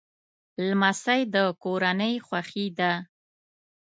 لمسی د کورنۍ خوښي ده.